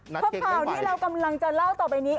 เพราะข่าวที่เรากำลังจะเล่าต่อไปนี้